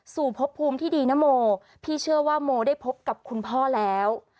พบภูมิที่ดีนะโมพี่เชื่อว่าโมได้พบกับคุณพ่อแล้ว